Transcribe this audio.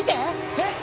えっ。